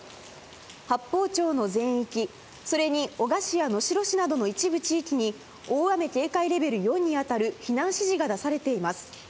八峰町の全域、それに、男鹿市や能代市などの一部地域に、大雨警戒レベル４に当たる避難指示が出されています。